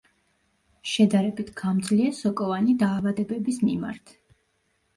შედარებით გამძლეა სოკოვანი დაავადებების მიმართ.